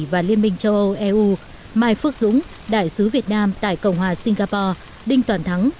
và liên minh châu âu eu mai phước dũng đại sứ việt nam tại cộng hòa singapore đinh toàn thắng